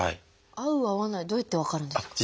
合う合わないはどうやって分かるんですか？